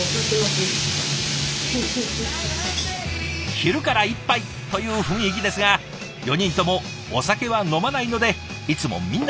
昼から一杯という雰囲気ですが４人ともお酒は飲まないのでいつもみんなでコーラ。